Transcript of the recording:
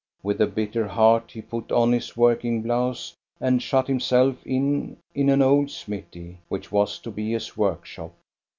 With a bitter heart he put on his working blouse and shut himself in in an old smithy, which was to be his workshop.